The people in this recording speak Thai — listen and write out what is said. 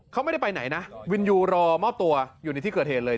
เขาไม่ได้ไปไหนนะวินยูรอมอบตัวอยู่ในที่เกิดเหตุเลย